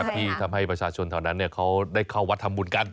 ที่ทำให้ประชาชนแถวนั้นเขาได้เข้าวัดทำบุญกัน